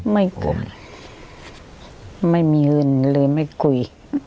ไม่คุยไม่มีเงินเลยไม่คุย